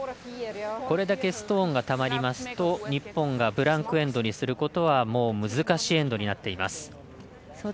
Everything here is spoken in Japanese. これだけストーンがたまりますと日本がブランクエンドにすることはもう難しいエンドになってきます。